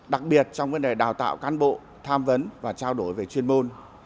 đặc biệt trong vấn đề đào tạo cán bộ tham vấn và trao đổi về chuyên môn